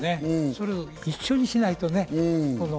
それを一緒にしないとね。